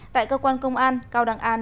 tại cơ quan công an cao đăng an